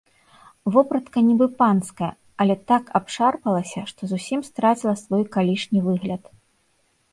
Вопратка нібы панская, але так абшарпалася, што зусім страціла свой калішні выгляд.